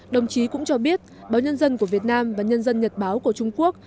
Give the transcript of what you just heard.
đồng chí cũng cho biết báo nhân dân của việt nam và nhân dân nhật báo của trung quốc